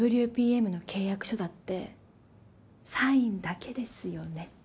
ＷＰＭの契約書だってサインだけですよね？